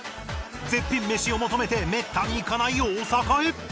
絶品メシを求めてめったに行かない大阪へ